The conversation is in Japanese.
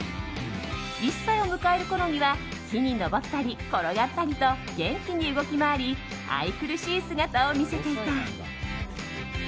１歳を迎えるころには木に登ったり、転がったりと元気に動き回り愛くるしい姿を見せていた。